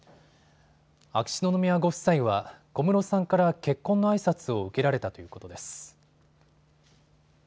秋篠宮ご夫妻は小室さんから結婚のあいさつを受けられたということです。